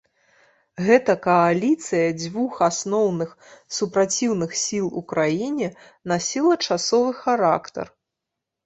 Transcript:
Гэта кааліцыя дзвюх асноўных супраціўных сіл у краіне насіла часовы характар.